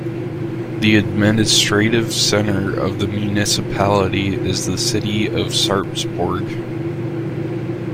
The administrative centre of the municipality is the city of Sarpsborg.